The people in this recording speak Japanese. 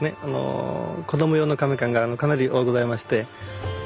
子供用の甕棺がかなり多ございまして。